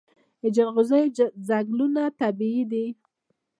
د جلغوزیو ځنګلونه طبیعي دي؟